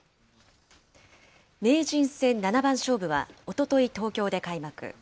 名人戦七番勝負はおととい、東京で開幕。